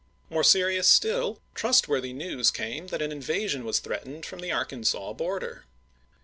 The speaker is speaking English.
More serious still, trustworthy news came that an invasion was threatened from the Arkansas border.